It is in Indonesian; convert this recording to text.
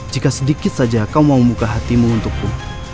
jika sedikit saja kau mau membuka hatimu untukku